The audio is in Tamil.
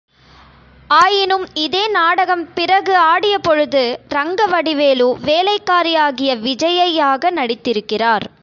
ஆயினும் இதே நாடகம் பிறகு ஆடியபொழுது, ரங்கவடிவேலு, வேலைக்காரியாகிய விஜயையாக நடித்திருக்கிறார்.